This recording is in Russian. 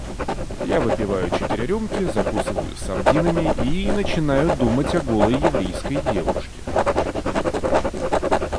Я выпиваю четыре рюмки, закусываю сардинами и начинаю думать о голой еврейской девушке.